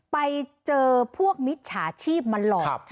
ไปเจอพวกมิจฉาชีพมาหลอก